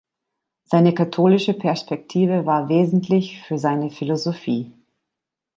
Seine katholische Perspektive war wesentlich für seine Philosophie.